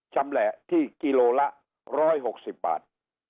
ชำแหละที่กิโลละ๑๖๐บาท